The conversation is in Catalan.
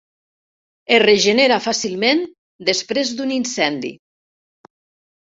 Es regenera fàcilment després d'un incendi.